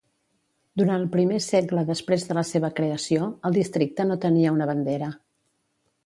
Durant el primer segle després de la seva creació, el Districte no tenia una bandera.